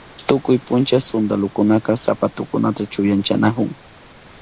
Tukuy puncha suntalukunaka sapatukunata chuyanchanahun.